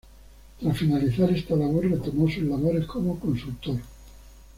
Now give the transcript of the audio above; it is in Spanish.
Tras finalizar esta labor retomó sus labores como consultor.